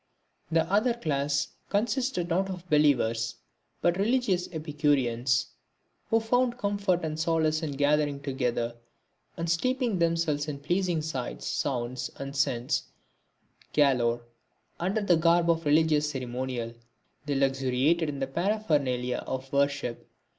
The other class consisted not of believers, but religious epicureans, who found comfort and solace in gathering together, and steeping themselves in pleasing sights, sounds and scents galore, under the garb of religious ceremonial; they luxuriated in the paraphernalia of worship.